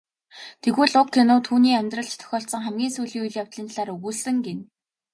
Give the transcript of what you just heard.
Тэгвэл уг кино түүний амьдралд тохиолдсон хамгийн сүүлийн үйл явдлын талаар өгүүлсэн гэнэ.